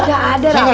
gak ada rafa